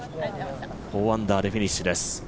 ４アンダーでフィニッシュです。